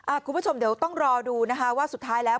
คุณผู้ชมเดี๋ยวต้องรอดูนะคะว่าสุดท้ายแล้ว